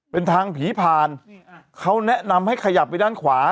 เป็นทางผีผ่านเขาแนะนำให้ขยับไปด้านขวา